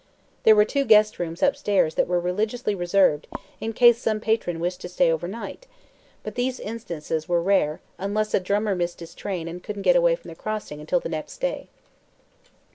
There were two guest rooms upstairs that were religiously reserved in case some patron wished to stay overnight, but these instances were rare unless a drummer missed his train and couldn't get away from the Crossing until the next day.